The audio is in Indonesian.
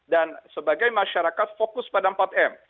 dan sebagai masyarakat fokus pada empat m